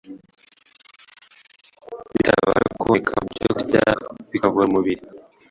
bitabasha kuboneka mu byokurya bikabura umubiri.